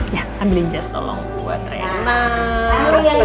ya ambilin jess tolong buat rena